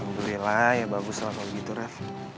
alhamdulillah ya bagus lah kalau begitu ref